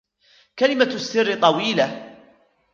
كلمة السر طويلة.